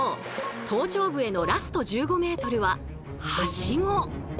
頭頂部へのラスト１５ｍはハシゴ！